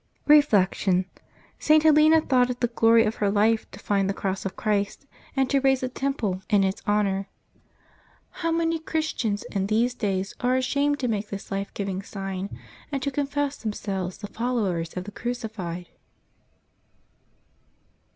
Reflection. — St. Helena thought it the glory of her life to find the cross of Christ, and to raise a temple in its 286 LIVES OF TEE SAINTS [August 19 honor. How many Christians in these days are ashamed to make this life giving sign, and to confess themselves the followers of the Crucified